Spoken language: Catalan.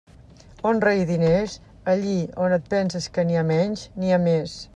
Honra i diners, allí on et penses que n'hi ha menys n'hi ha més.